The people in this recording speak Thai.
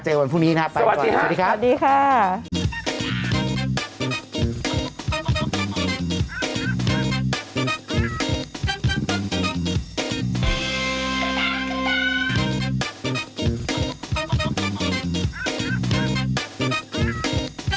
วันพรุ่งนี้นะครับไปสวัสดีครับสวัสดีครับสวัสดีค่ะ